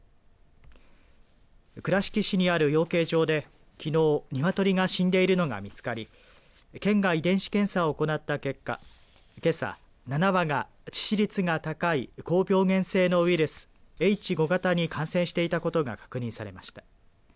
倉敷市にある養鶏場できのう鶏が死んでいるのが見つかり県が遺伝子検査を行った結果けさ、７羽が致死率が高い高病原性のウイルスＨ５型に感染していたことが確認されました。